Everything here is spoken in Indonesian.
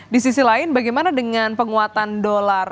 di sisi lain bagaimana dengan penguatan dolar